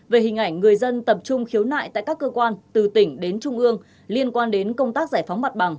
về hình ảnh người dân tập trung khiếu nại tại các cơ quan từ tỉnh đến trung ương liên quan đến công tác giải phóng mặt bằng